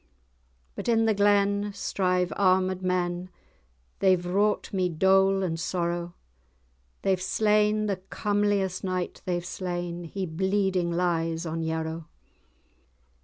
"But in the glen strive armed men; They've wrought me dole and sorrow; They've slain—the comeliest knight they've slain, He bleeding lies on Yarrow."